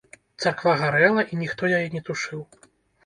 Царква гарэла, і ніхто яе не тушыў.